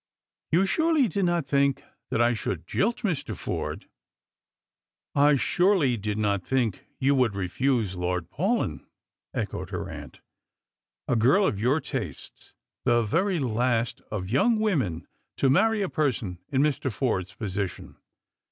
" You surely did not think that I should jilt Mr. Forde ?"" I surely did not think you would refuse Lord Paulyn," echoed her aunt; " a girl of your tastes — the very last of young women to marry a person in Mr. Forde's position.